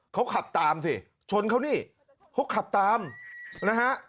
เขาขับตามสิชนเขานี่เขาขับตามนะฮะ